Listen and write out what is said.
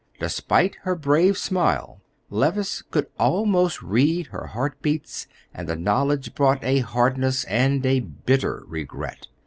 Despite her brave smile, Levice could almost read her heart beats, and the knowledge brought a hardness and a bitter regret.